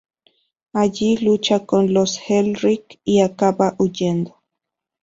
Allí lucha con los Elric y acaba huyendo.